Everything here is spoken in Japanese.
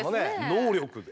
能力で。